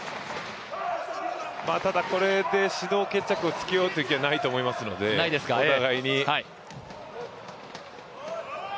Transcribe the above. これで指導決着をつけようという気はないと思いますので、お互いに。